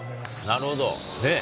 なるほど。